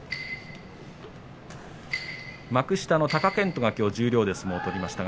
幕下、貴健斗、きょう十両で相撲を取りました。